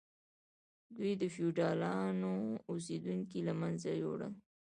دوی د فیوډالانو اوسیدونکي له منځه یوړل.